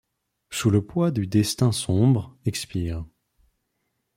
sous le poids du destin sombre, expire ;